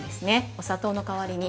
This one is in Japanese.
お砂糖の代わりに。